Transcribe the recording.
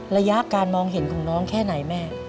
ระยะการมองเห็นของน้องแค่ไหนแม่